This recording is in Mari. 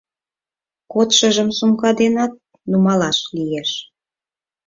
Кодшыжым сумка денат нумалаш лиеш.